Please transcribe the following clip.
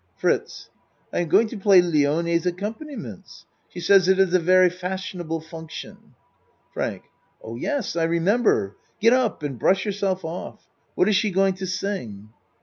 FRITZ I am going to play Lione's accompani ments. She says it is a very fashionable function. FRANK Oh, yes, I remember. Get up and brush yourself off. What is she going to sing?